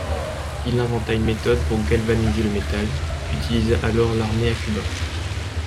Il inventa une méthode pour galvaniser le métal, qu’utilisa alors l’armée à Cuba.